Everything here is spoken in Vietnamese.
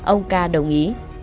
ông ca đồng ý